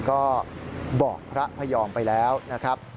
ก็บอกพระพยอมไปแล้วนะครับ